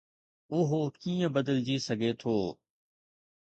اهو ڪيئن بدلجي سگهي ٿو؟